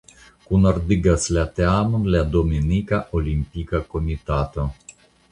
Kunordigas la teamon la Dominika Olimpika Komitato.